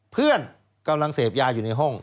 เพื่อนกำลังเสพยาอยู่ในห้อง